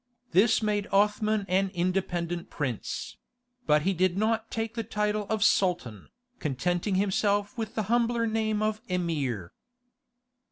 This made Othman an independent prince; but he did not take the title of Sultan, contenting himself with the humbler name of Emir.